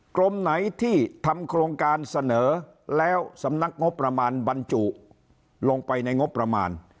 กรมไหนที่ทำโครงการเสนอแล้วสำนักงบประมาณบรรจุลงไปในงบประมาณ